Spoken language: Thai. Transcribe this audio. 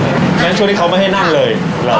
แล้วช่วงที่เขาไม่ให้นั่นเลยอ๋อ